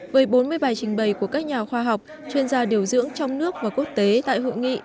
với bốn mươi bài trình bày của các nhà khoa học chuyên gia điều dưỡng trong nước và quốc tế tại hội nghị